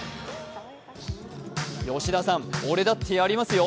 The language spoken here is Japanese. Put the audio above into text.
吉田さん、俺だってやりますよ！